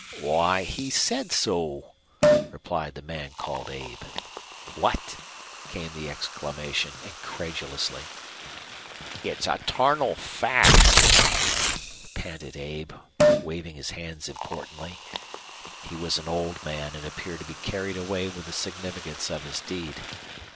"Why he said so," replied the man called Abe. "What!" came the exclamation, incredulously. "It's a tarnal fact," panted Abe, waving his hands importantly. He was an old man and appeared to be carried away with the significance of his deed.